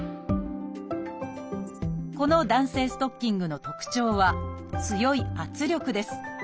この弾性ストッキングの特徴は強い圧力です。